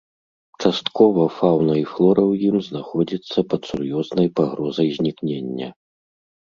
Часткова фаўна і флора ў ім знаходзіцца пад сур'ёзнай пагрозай знікнення.